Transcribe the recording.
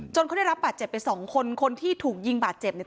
เขาได้รับบาดเจ็บไปสองคนคนที่ถูกยิงบาดเจ็บเนี่ย